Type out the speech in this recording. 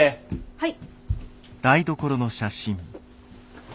はい。